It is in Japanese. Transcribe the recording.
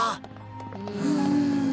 うん。